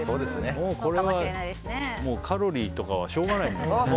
これはカロリーとかはしょうがない。